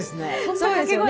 そうですよね。